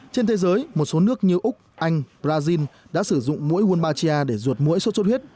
trên thế giới một số nước như úc anh brazil đã sử dụng mũi hulmatia để ruột mũi sốt sốt huyết